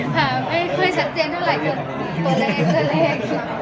ค่ะไม่เคยชัดเจนเท่าไหร่เดี๋ยวตัวเล็ก